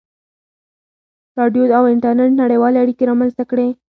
• راډیو او انټرنېټ نړیوالې اړیکې رامنځته کړې.